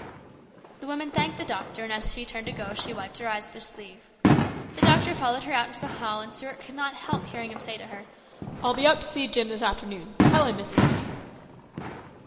The woman thanked the doctor, and as she turned to go she wiped her eyes with her sleeve. The doctor followed her out into the hall, and Stuart could not help hearing him say to her, " I'll be out to see Jim this afternoon, tell him, Mrs. Binney."